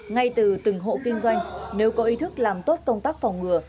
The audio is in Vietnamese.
ngay từ từng hộ kinh doanh nếu có ý thức làm tốt công tác phòng ngừa